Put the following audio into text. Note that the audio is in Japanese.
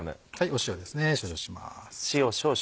塩ですね少々します。